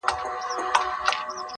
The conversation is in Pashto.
o کار تر کار تېر دئ٫